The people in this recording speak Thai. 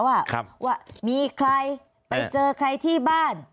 ว่ามีใครไปเจอใครที่บ้าน